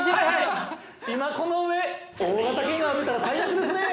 今、この上大型犬が歩いたら最悪ですねぇ！